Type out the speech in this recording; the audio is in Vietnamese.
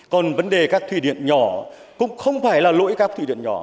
còn vấn đề các thủy điện nhỏ cũng không phải là lỗi các thủy điện nhỏ